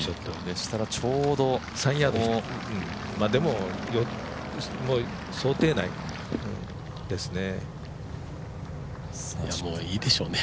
ちょうど３ヤード、でも想定内ですね。